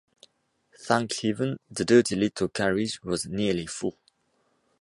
Thank Heaven, the dirty little carriage was nearly full.